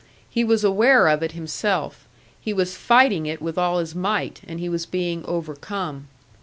He was aware of it himself; he was fighting it with all his might; and he was being overcome.